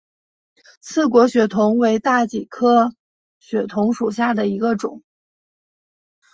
刺果血桐为大戟科血桐属下的一个种。